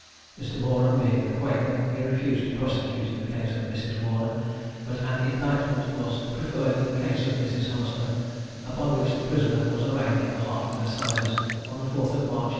Mr. Boreham being a Quaker, he refused to prosecute in the case of Mrs. Warner; but an indictment was preferred in the case of Mrs. Hummerstone, upon which the prisoner was arraigned at the Hertford Assizes on the 4th of March, 1808.